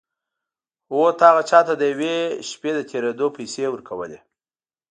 هو تا هغه چا ته د یوې شپې د تېرېدو پيسې ورکولې.